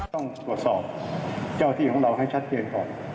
ต้องตรวจสอบเจ้าที่ของเราให้ชัดเจนก่อน